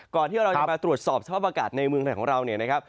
ก่อนที่เรามาตรวจสอบสภาพประกาศในเมืองแห่งของเรานี่นะครับ